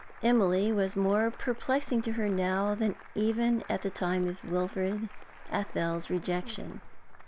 Emily was more perplexing to her now than even at the time of Wilfrid Athel's rejection.